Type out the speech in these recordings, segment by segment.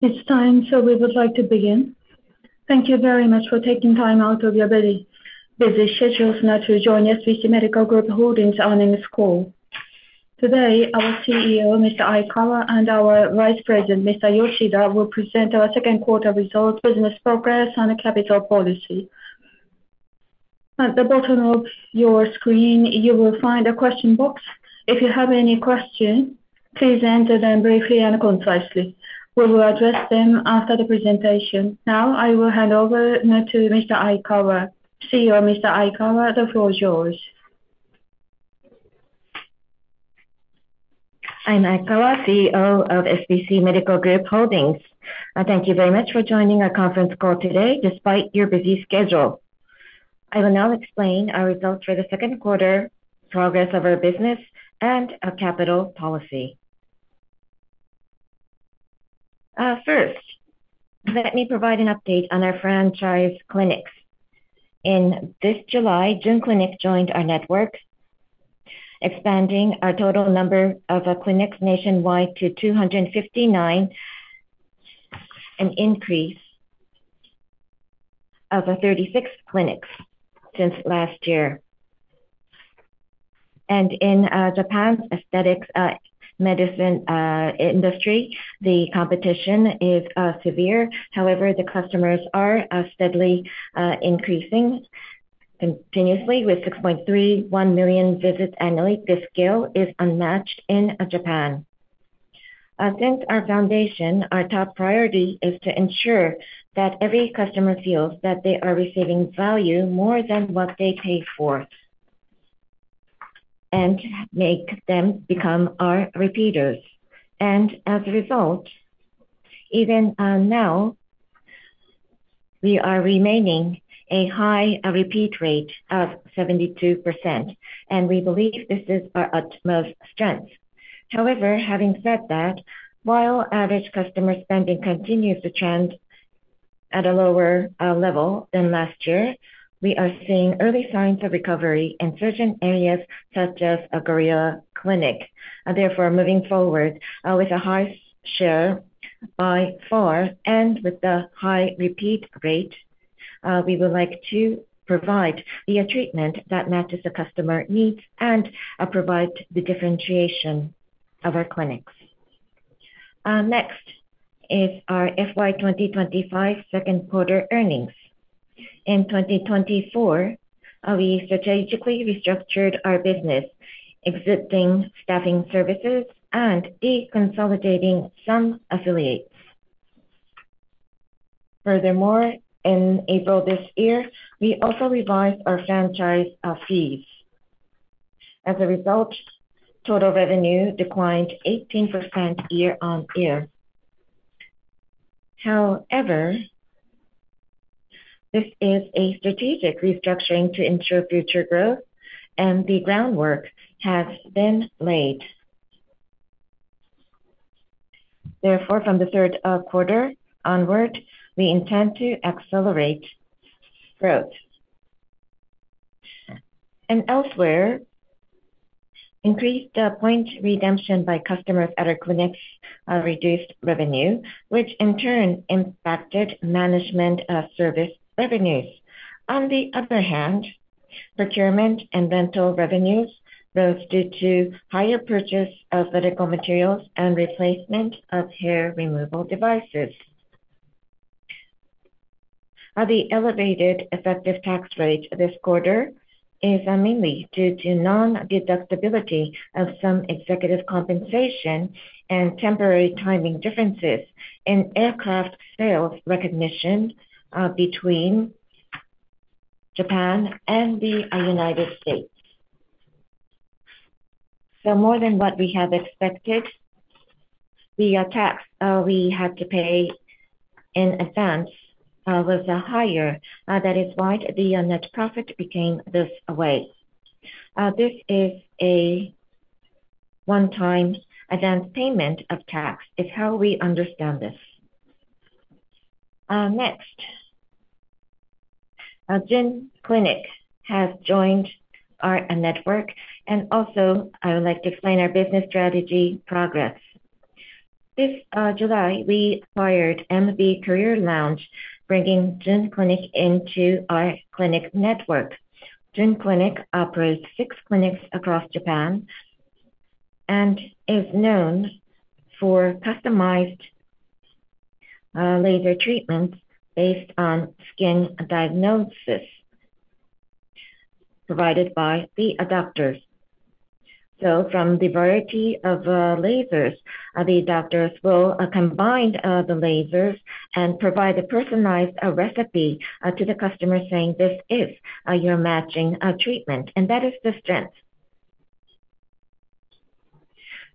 It's time, so we would like to begin. Thank you very much for taking time out of your busy schedules now to join SBC Medical Group Holdings' earnings call. Today, our CEO, Mr. Aikawa, and our Vice President, Mr. Yoshida, will present our second quarter results, business progress, and capital policy. At the bottom of your screen, you will find a question box. If you have any questions, please answer them briefly and concisely. We will address them after the presentation. Now, I will hand over to Mr. Aikawa. CEO, Mr. Aikawa, the floor is yours. I'm Aikawa, CEO of SBC Medical Group Holdings. Thank you very much for joining our conference call today despite your busy schedule. I will now explain our results for the second quarter, progress of our business, and our capital policy. First, let me provide an update on our franchise clinics. In this July, JUN CLINIC joined our network, expanding our total number of clinics nationwide to 259, an increase of 36 clinics since last year. In Japan's aesthetics medicine industry, the competition is severe. However, the customers are steadily increasing continuously with 6.31 million visits annually. This scale is unmatched in Japan. Against our foundation, our top priority is to ensure that every customer feels that they are receiving value more than what they pay for and make them become our repeaters. As a result, even now, we are remaining a high repeat rate of 72%, and we believe this is our utmost strength. However, having said that, while average customer spending continues to trend at a lower level than last year, we are seeing early signs of recovery in certain areas such as a Gorilla Clinic. Moving forward with the highest share by far and with the high repeat rate, we would like to provide the treatment that matches the customer needs and provide the differentiation of our clinics. Next is our FY 2025 second quarter earnings. In 2024, we strategically restructured our business, exiting staffing services and deconsolidating some affiliates. Furthermore, in April this year, we also revised our franchise fees. As a result, total revenue declined 18% year on year. However, this is a strategic restructuring to ensure future growth, and the groundwork has been laid. From the third quarter onward, we intend to accelerate growth. Elsewhere, increased point redemption by customers at our clinics reduced revenue, which in turn impacted management service revenues. On the other hand, procurement and rental revenues rose due to higher purchase of medical materials and replacement of hair removal devices. The elevated effective tax rate this quarter is mainly due to non-deductibility of some executive compensation and temporary timing differences in aircraft sales recognition between Japan and the U.S. More than what we have expected, the tax we had to pay in advance was higher. That is why the net profit became this way. This is a one-time advance payment of tax. It's how we understand this. Next, JUN CLINIC has joined our network, and I would like to explain our business strategy progress. This July, we acquired MB Career Lounge, bringing JUN CLINIC into our clinic network. JUN CLINIC operates six clinics across Japan and is known for customized laser treatments based on skin diagnosis provided by the doctors. From the variety of lasers, the doctors will combine the lasers and provide a personalized recipe to the customer, saying, "This is your matching treatment." That is the strength.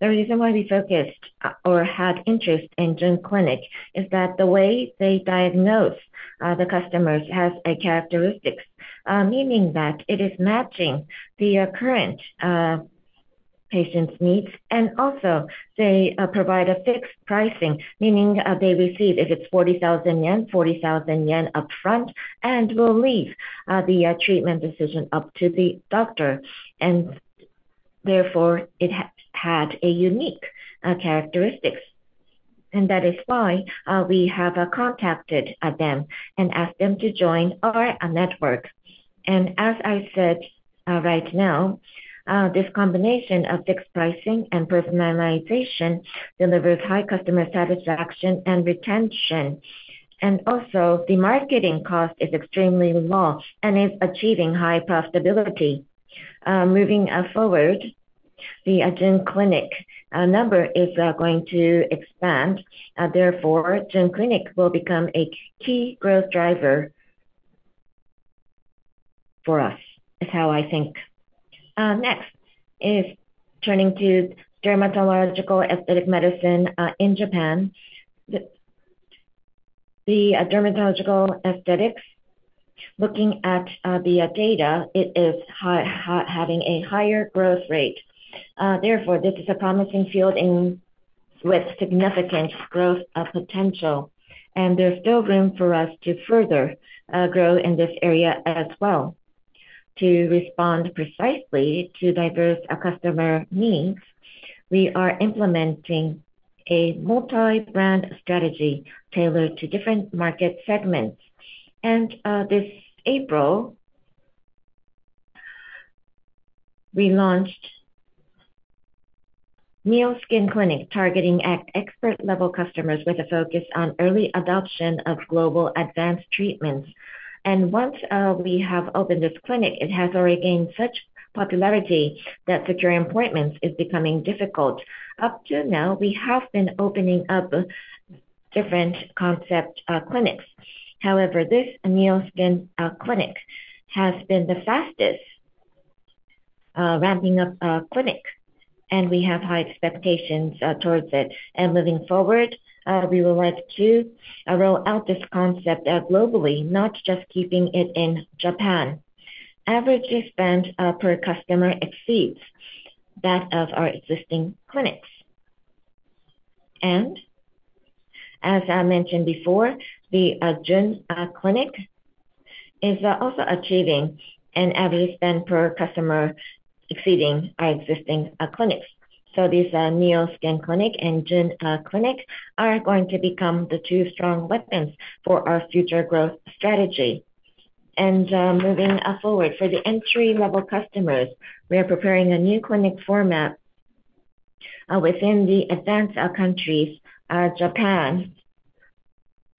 The reason why we focused or had interest in JUN CLINIC is that the way they diagnose the customers has characteristics, meaning that it is matching the current patient's needs. They provide a fixed pricing, meaning they receive, if it's 40,000 yen, 40,000 yen upfront and will leave the treatment decision up to the doctor. Therefore, it had a unique characteristic. That is why we have contacted them and asked them to join our network. As I said right now, this combination of fixed pricing and personalization delivers high customer satisfaction and retention. Also, the marketing cost is extremely low and is achieving high profitability. Moving forward, the JUN CLINIC number is going to expand. Therefore, JUN CLINIC will become a key growth driver for us. It's how I think. Next is turning to dermatological aesthetic medicine in Japan. The dermatological aesthetics, looking at the data, it is having a higher growth rate. Therefore, this is a promising field with significant growth potential. There is still room for us to further grow in this area as well. To respond precisely to diverse customer needs, we are implementing a multi-brand strategy tailored to different market segments. This April, we launched NEO Skin Clinic, targeting at expert-level customers with a focus on early adoption of global advanced treatments. Once we have opened this clinic, it has already gained such popularity that securing appointments is becoming difficult. Up to now, we have been opening up different concept clinics. However, this NEO Skin Clinic has been the fastest ramping up clinic, and we have high expectations towards it. Moving forward, we would like to roll out this concept globally, not just keeping it in Japan. Average spend per customer exceeds that of our existing clinics. As I mentioned before, the JUN CLINIC is also achieving an average spend per customer exceeding our existing clinics. These NEO Skin Clinic and JUN CLINIC are going to become the two strong weapons for our future growth strategy. Moving forward, for the entry-level customers, we are preparing a new clinic format within the advanced countries. Japan,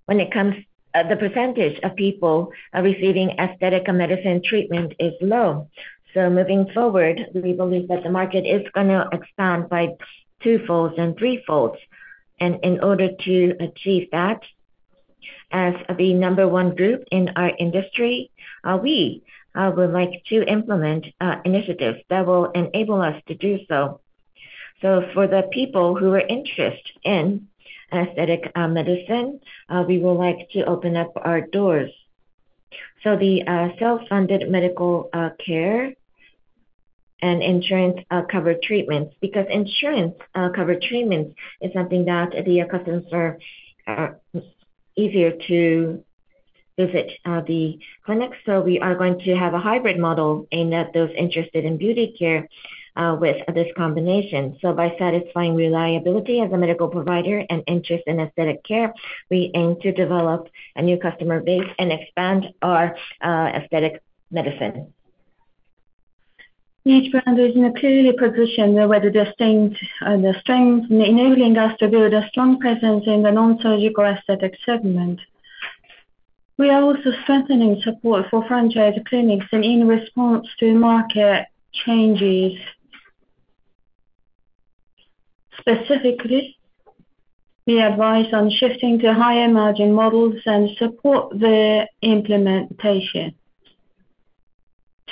when it comes to the percentage of people receiving aesthetic medicine treatment, is low. Moving forward, we believe that the market is going to expand by twofold and threefold. In order to achieve that, as the number one group in our industry, we would like to implement initiatives that will enable us to do so. For the people who are interested in aesthetic medicine, we would like to open up our doors. The self-funded medical care and insurance-covered treatments, because insurance-covered treatments is something that the customers are easier to visit the clinic. We are going to have a hybrid model aimed at those interested in beauty care with this combination. By satisfying reliability as a medical provider and interest in aesthetic care, we aim to develop a new customer base and expand our aesthetic medicine. Nature brand is clearly positioned with the strength in enabling us to build a strong presence in the non-surgical aesthetic segment. We are also strengthening support for franchise clinics in response to market changes. Specifically, we advise on shifting to higher margin models and support their implementation.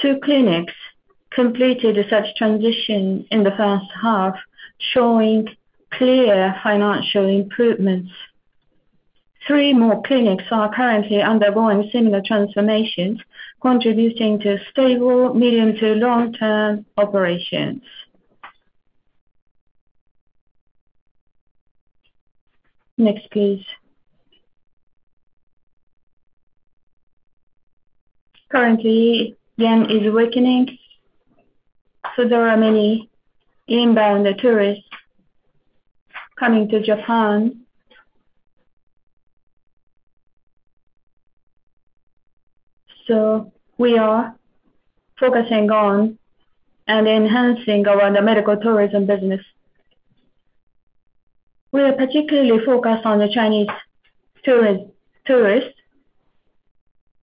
Two clinics completed such transition in the first half, showing clear financial improvements. Three more clinics are currently undergoing similar transformations, contributing to stable medium to long-term operations. Currently, Yen is weakening, so there are many inbound tourists coming to Japan. We are focusing on and enhancing our medical tourism business. We are particularly focused on the Chinese tourists,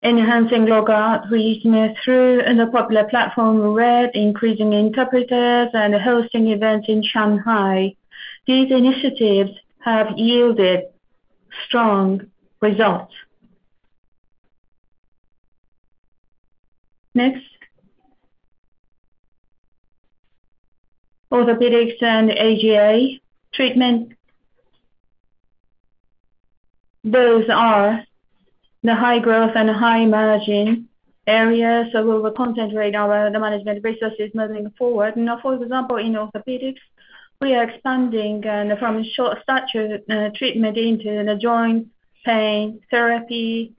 enhancing local reach through the popular platform, RED, including interpreters, and hosting events in Shanghai. These initiatives have yielded strong results. Next, orthopedics and Androgenetic Alopecia (AGA) treatments. Both are the high growth and high margin areas, so we will concentrate on the management resources moving forward. For example, in orthopedics, we are expanding from short-statured treatment into joint pain therapy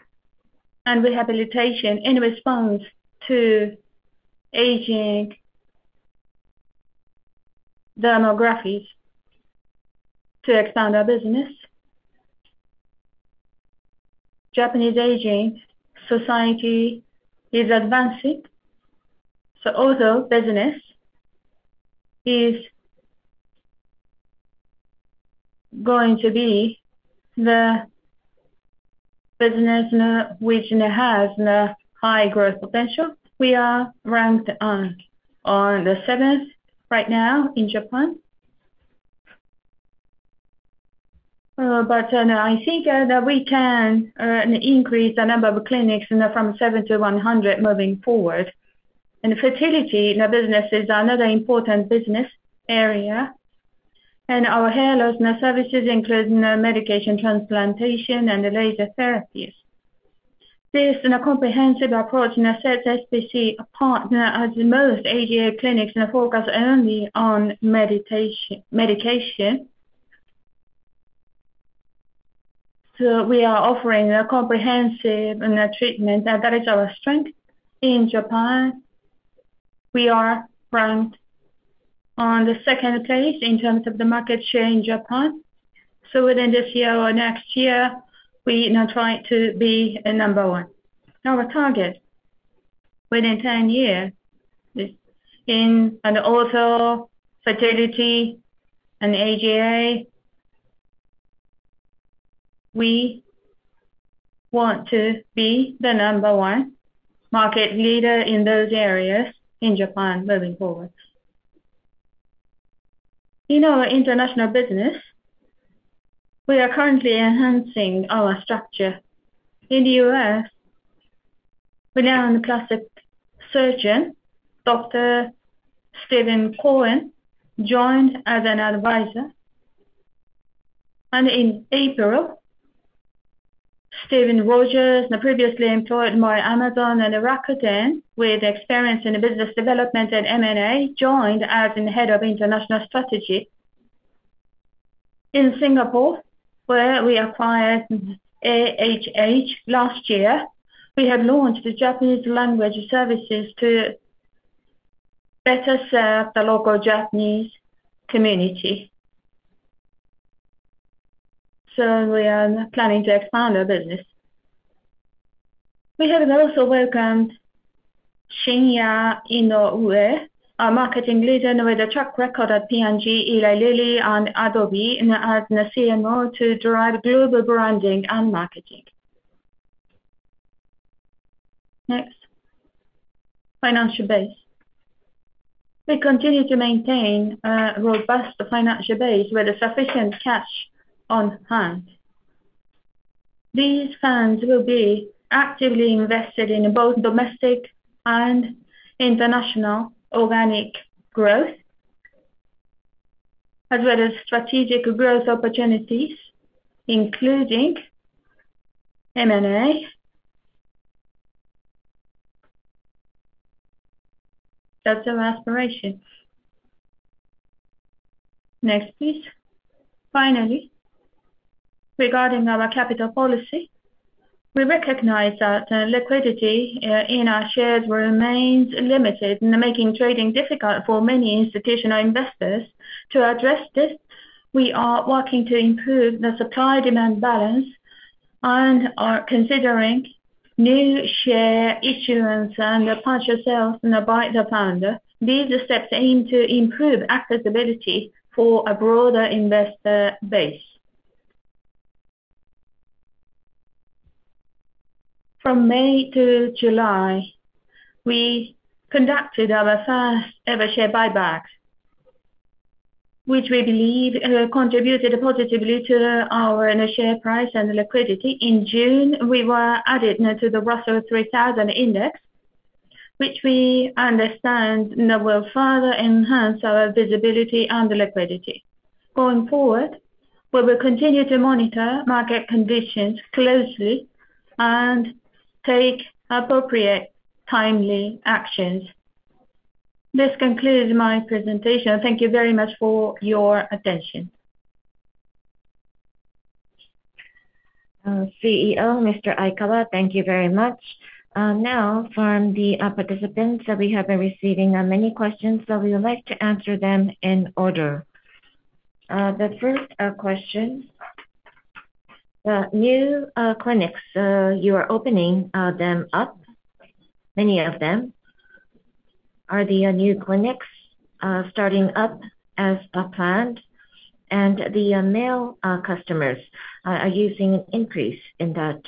and rehabilitation in response to aging demographics. To expand our business, Japanese aging society is advancing. Auto business is going to be the business which has the high growth potential. We are ranked on the seventh right now in Japan. I think that we can increase the number of clinics from 7 to 100 moving forward. Fertility in the business is another important business area. Our hair loss services include medication, transplantation, and laser therapies. This is a comprehensive approach that sets SBC apart as most AGA clinics focus only on medication. We are offering a comprehensive treatment. That is our strength. In Japan, we are ranked on the second place in terms of the market share in Japan. Within this year or next year, we now try to be number one. Our target within 10 years in auto, fertility, and AGA, we want to be the number one market leader in those areas in Japan moving forward. In our international business, we are currently enhancing our structure. In the U.S., renowned plastic surgeon, Dr. Steven Cohen, joined as an advisor. In April, Stephen Rogers, previously employed by Amazon and Rakuten, with experience in business development and M&A, joined as the Head of International Strategy. In Singapore, where we acquired AHH last year, we have launched the Japanese language services to better serve the local Japanese community. We are planning to expand our business. We have also welcomed Shinya Inoue, our marketing leader with a track record at P&G, Eli Lilly, and Adobe, as the Chief Marketing Officer to drive global branding and marketing. Next, financial base. We continue to maintain a robust financial base with sufficient cash on hand. These funds will be actively invested in both domestic and international organic growth, as well as strategic growth opportunities, including M&A. That's our aspiration. Next, please. Finally, regarding our capital policy, we recognize that liquidity in our shares remains limited, making trading difficult for many institutional investors. To address this, we are working to improve the supply-demand balance and are considering new share issuance and partial sales by the founder. These steps aim to improve accessibility for a broader investor base. From May to July, we conducted our first-ever share buybacks, which we believe contributed positively to our share price and liquidity. In June, we were added to the Russell 3000 Index, which we understand will further enhance our visibility and liquidity. Going forward, we will continue to monitor market conditions closely and take appropriate timely actions. This concludes my presentation. Thank you very much for your attention. CEO, Mr. Aikawa, thank you very much. Now, from the participants, we have been receiving many questions, so we would like to answer them in order. The first question, the new clinics you are opening them up, many of them, are the new clinics starting up as planned? The male customers, are you seeing an increase in that?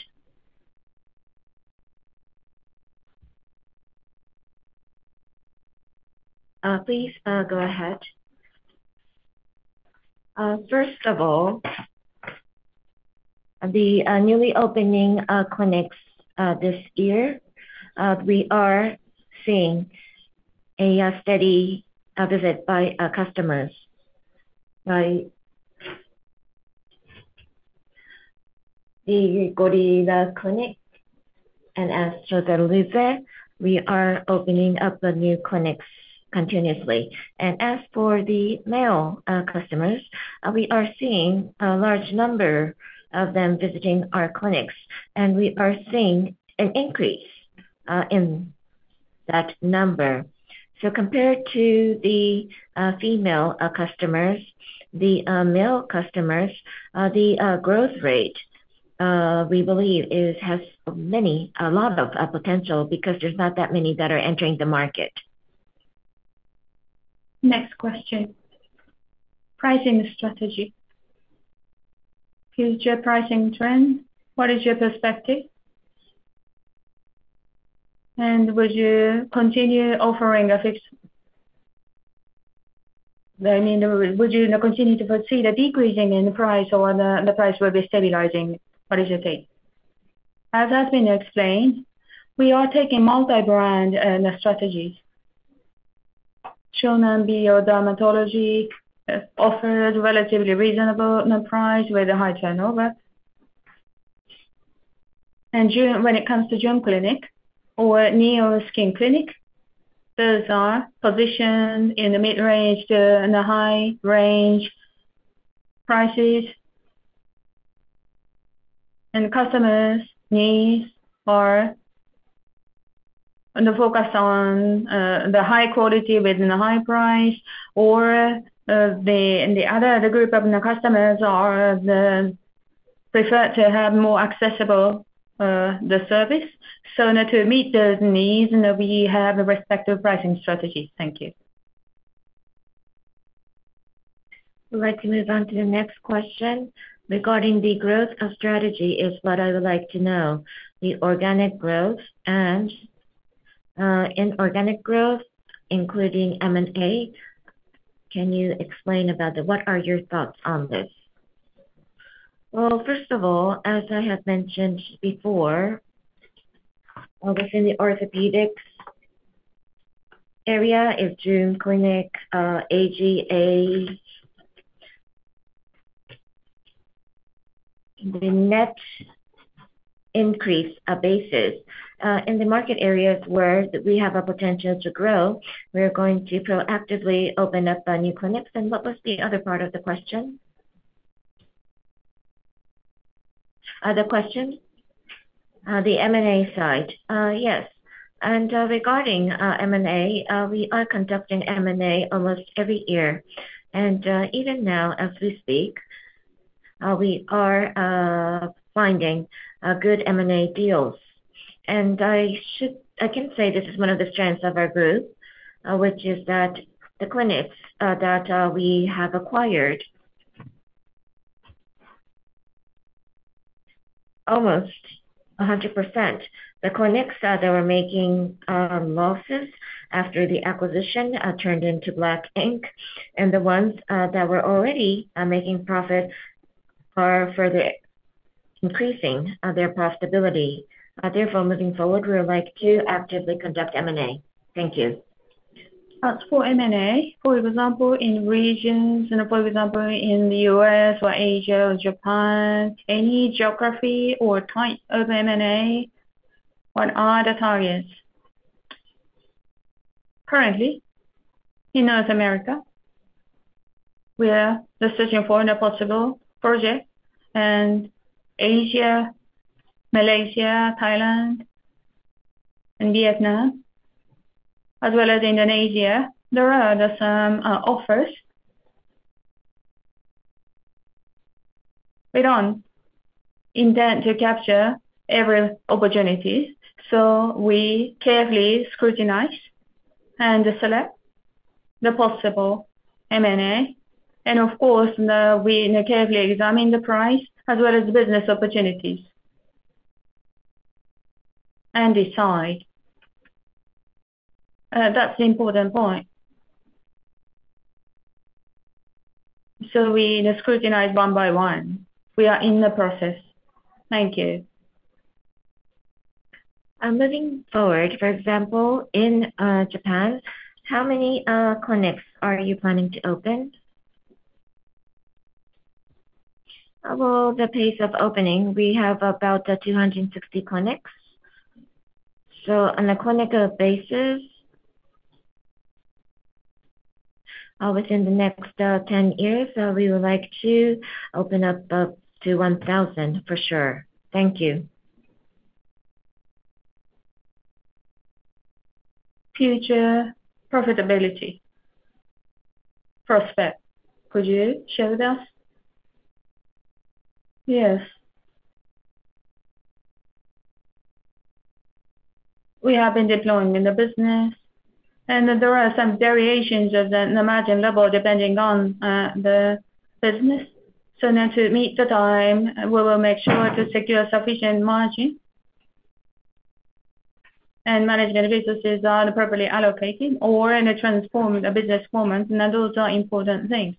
Please go ahead. First of all, the newly opening clinics this year, we are seeing a steady visit by customers. The Gorilla Clinic and [Esthederm Luze], we are opening up the new clinics continuously. As for the male customers, we are seeing a large number of them visiting our clinics, and we are seeing an increase in that number. Compared to the female customers, the male customers, the growth rate, we believe, has a lot of potential because there's not that many that are entering the market. Next question, pricing strategy. Future pricing trend, what is your perspective? Would you continue offering a fixed? I mean, would you continue to see the decreasing in price or the price will be stabilizing? What is your take? As has been explained, we are taking multi-brand strategies. Shonan Bio Dermatology offers relatively reasonable price with a high turnover. When it comes to JUN CLINIC or NEO Skin Clinic, those are positioned in the mid-range to the high-range prices. Customers' needs are focused on the high quality within a high price. The other group of customers prefer to have more accessible service. To meet those needs, we have a respective pricing strategy. Thank you. I would like to move on to the next question regarding the growth strategy, is what I would like to know. The organic growth and inorganic growth, including M&A, can you explain about that? What are your thoughts on this? First of all, as I have mentioned before, obviously, the orthopedics area is JUN CLINIC AGA. The net increase basis in the market areas where we have a potential to grow, we're going to proactively open up new clinics. What was the other part of the question? The M&A side. Yes. Regarding M&A, we are conducting M&A almost every year. Even now, as we speak, we are finding good M&A deals. I can say this is one of the strengths of our group, which is that the clinics that we have acquired almost 100%. The clinics that are making losses after the acquisition turned into black ink. The ones that were already making profits are further increasing their profitability. Therefore, moving forward, we would like to actively conduct M&A. Thank you. For M&A, for example, in regions, for example, in the U.S. or Asia or Japan, any geography or type of M&A, what are the targets? Currently, in North America, we are searching for a possible project. In Asia, Malaysia, Thailand, and Vietnam, as well as Indonesia, there are some offers. We don't intend to capture every opportunity, so we carefully scrutinize and select the possible M&A. We carefully examine the price as well as the business opportunities and decide. That's an important point. We scrutinize one by one. We are in the process. Thank you. Moving forward, for example, in Japan, how many clinics are you planning to open? About the pace of opening, we have about 260 clinics. On a clinical basis, within the next 10 years, we would like to open up to 1,000 for sure. Thank you. Future profitability prospect, could you share with us? Yes. We have been deploying in the business, and there are some variations of the margin level depending on the business. To meet the time, we will make sure to secure sufficient margin. Management resources are appropriately allocated or transform the business format. Those are important things.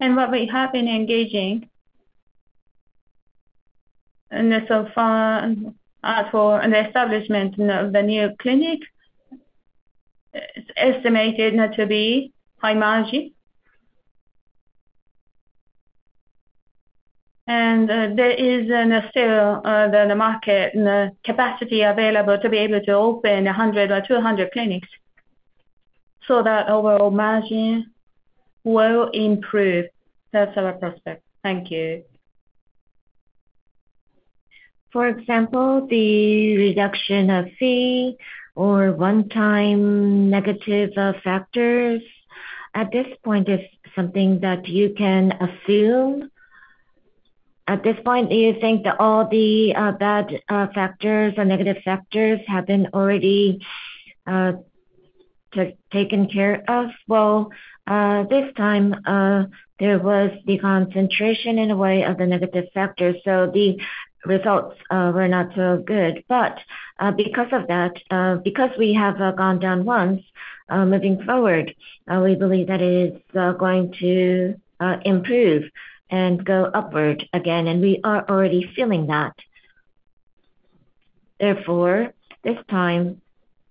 What we have been engaging in so far as for the establishment of the new clinic, it's estimated to be high margin. There is still the market and the capacity available to be able to open 100 or 200 clinics so that overall margin will improve. That's our prospect. Thank you. For example, the reduction of fee or one-time negative factors at this point is something that you can assume? At this point, do you think that all the bad factors or negative factors have been already taken care of? This time, there was the concentration in a way of the negative factors, so the results were not so good. Because of that, because we have gone down once, moving forward, we believe that it is going to improve and go upward again. We are already feeling that. Therefore, this time,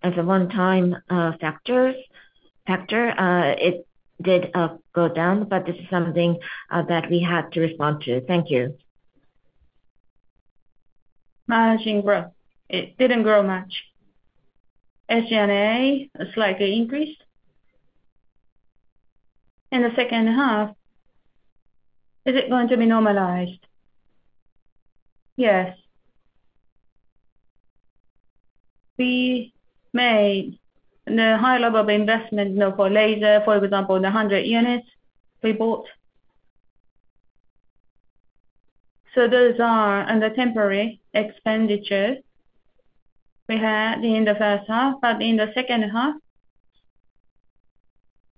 as a one-time factor, it did go down, but this is something that we had to respond to. Thank you. Margin growth. It didn't grow much. SG&A slightly increased. In the second half, is it going to be normalized? Yes. We made a high level of investment for laser, for example, in the 100 units we bought. Those are the temporary expenditures we had in the first half. In the second half,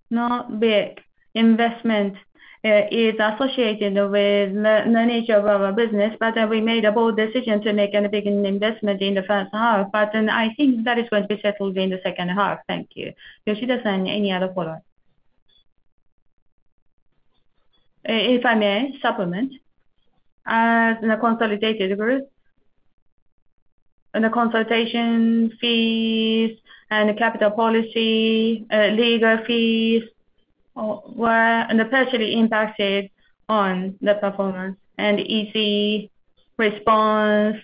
not big. Investment is associated with the nature of our business, but we made a bold decision to make a big investment in the first half. I think that is going to be settled in the second half. Thank you. Yoshida-san, any other follow-up? If I may supplement, as a consolidated group, the consultation fees and the capital policy, legal fees were partially impacted on the performance and easy response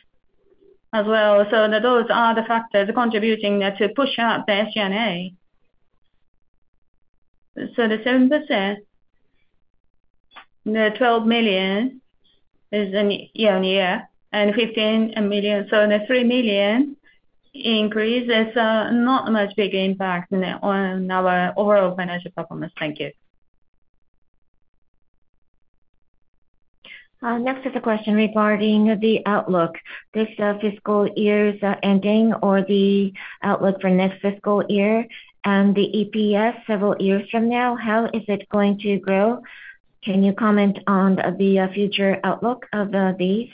as well. Those are the factors contributing to push up the SG&A. The 7%, the 12 million is year on year, and 15 million. The 3 million increase is not a much bigger impact on our overall financial performance. Thank you. Next is a question regarding the outlook. This fiscal year's ending or the outlook for next fiscal year and the EPS several years from now, how is it going to grow? Can you comment on the future outlook of these?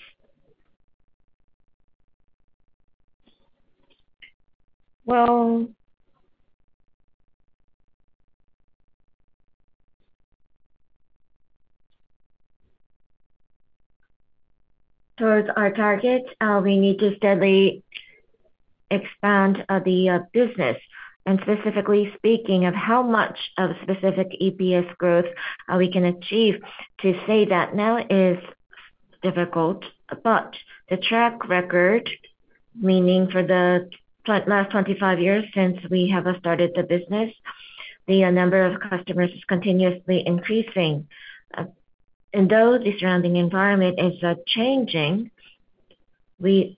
Towards our target, we need to steadily expand the business. Specifically speaking of how much of specific EPS growth we can achieve, to say that now is difficult. The track record, meaning for the last 25 years since we have started the business, the number of customers is continuously increasing. Though the surrounding environment is changing, we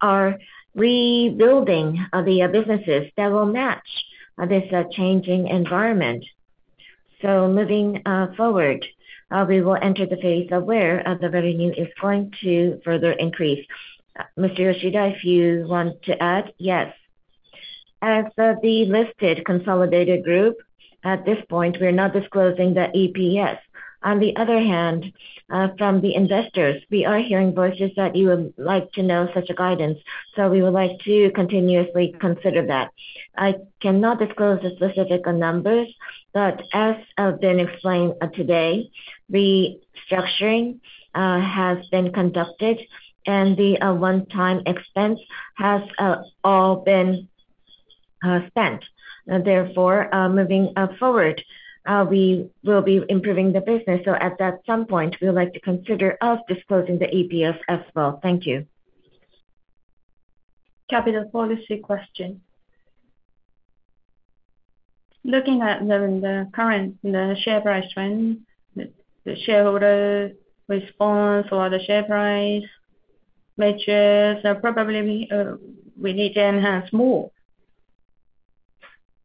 are rebuilding the businesses that will match this changing environment. Moving forward, we will enter the phase where the revenue is going to further increase. Mr. Yoshida, if you want to add, yes. As the listed consolidated group, at this point, we are not disclosing the EPS. On the other hand, from the investors, we are hearing voices that you would like to know such a guidance. We would like to continuously consider that. I cannot disclose the specific numbers, but as I've been explained today, restructuring has been conducted and the one-time expense has all been spent. Therefore, moving forward, we will be improving the business. At some point, we would like to consider us disclosing the EPS as well. Thank you. Capital policy question. Looking at the current share price trend, the shareholder response or the share price matrix, probably we need to enhance more.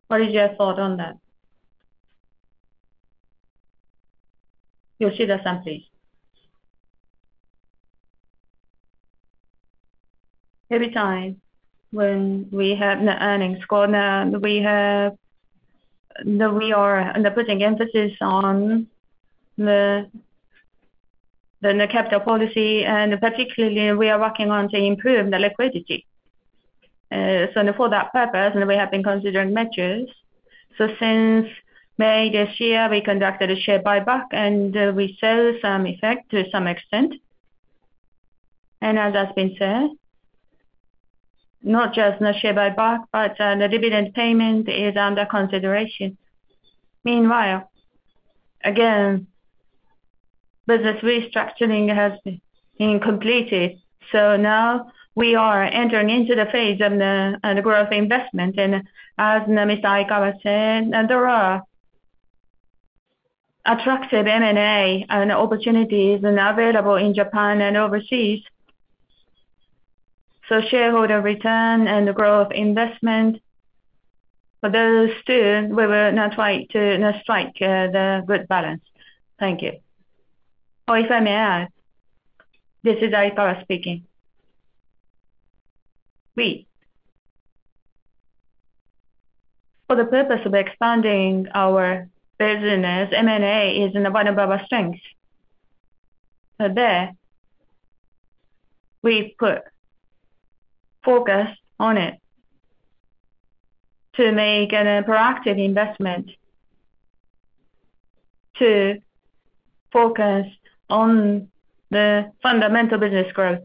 What is your thought on that? Yoshida-san, please. Every time when we have the earnings call, we are putting emphasis on the capital policy, and particularly, we are working on to improve the liquidity. For that purpose, we have been considering matches. Since May this year, we conducted a share buyback and we saw some effect to some extent. As has been said, not just the share buyback, but the dividend payment is under consideration. Meanwhile, again, business restructuring has been completed. Now we are entering into the phase of the growth investment. As Mr. Aikawa said, there are attractive M&A opportunities available in Japan and overseas. Shareholder return and growth investment, for those two, we will try to strike the good balance. Thank you. If I may add, this is Aikawa speaking. For the purpose of expanding our business, M&A is one of our strengths. There, we put focus on it to make a proactive investment to focus on the fundamental business growth.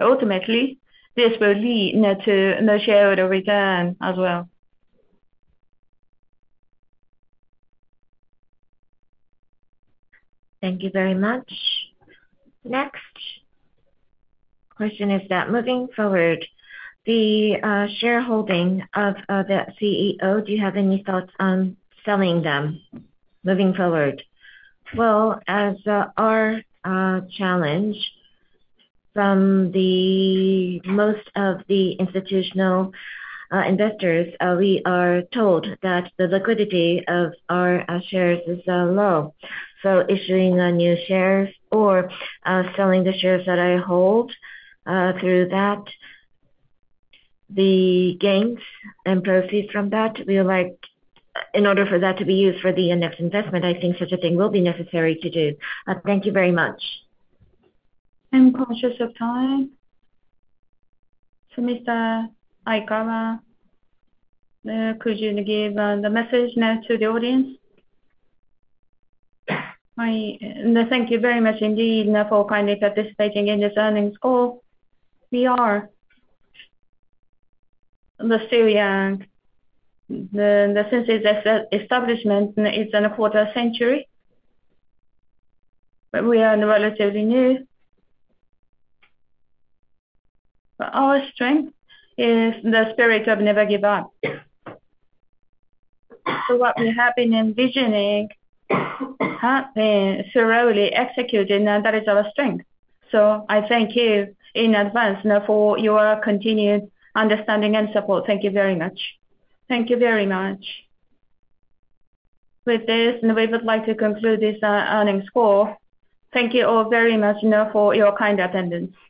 Ultimately, this will lead to the shareholder return as well. Thank you very much. Next question is that moving forward, the shareholding of the CEO, do you have any thoughts on selling them moving forward? As our challenge from most of the institutional investors, we are told that the liquidity of our shares is low. Issuing new shares or selling the shares that I hold, through that, the gains and proceeds from that, we would like in order for that to be used for the next investment, I think such a thing will be necessary to do. Thank you very much. I'm conscious of time. Mr. Aikawa, could you give the message now to the audience? Thank you very much indeed for kindly participating in this earnings call. We are still young. The sense is that establishment is in a quarter century. We are relatively new. Our strength is the spirit of never give up. What we have been envisioning has been thoroughly executed, and that is our strength. I thank you in advance for your continued understanding and support. Thank you very much. Thank you very much. With this, we would like to conclude this earnings call. Thank you all very much for your kind attendance.